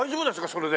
それで。